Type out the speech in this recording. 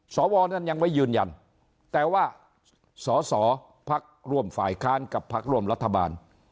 สวนั้นยังไม่ยืนยันแต่ว่าสอสอพักร่วมฝ่ายค้านกับพักร่วมรัฐบาล